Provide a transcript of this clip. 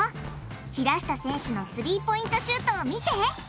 平下選手のスリーポイントシュートを見て！